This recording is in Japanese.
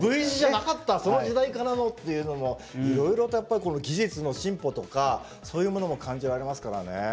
Ｖ字じゃなかったその時代からのっていうのもいろいろとやっぱりこの技術の進歩とかそういうものも感じられますからね。